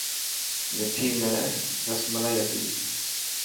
مٺي ۾ رسملائي هتي.